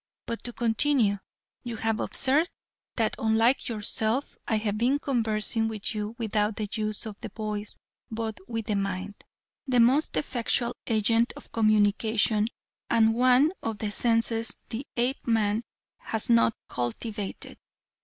But to continue, you have observed that unlike yourself I have been conversing with you without the use of the voice but with the mind, the most effectual agent of communication and one of the senses the Apeman has not cultivated.